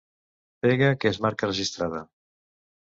Pega que és marca registrada.